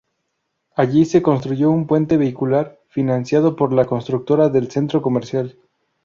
Allí se construyó un puente vehicular financiado por la constructora del centro comercial.